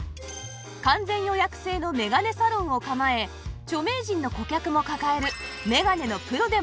完全予約制のメガネサロンを構え著名人の顧客も抱えるメガネのプロでもあるんです